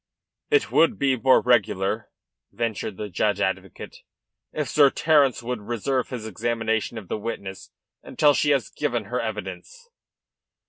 "It would be more regular," ventured the judge advocate, "if Sir Terence would reserve his examination of the witness until she has given her evidence."